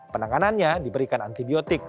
penanganannya diberikan antibiotik